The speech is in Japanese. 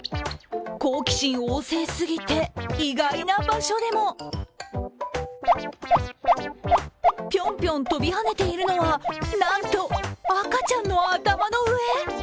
好奇心旺盛すぎて、意外な場所でもぴょんぴょん飛び跳ねているのはなんと赤ちゃんの頭の上。